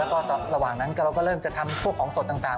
แล้วก็ระหว่างนั้นเราก็เริ่มจะทำพวกของสดต่าง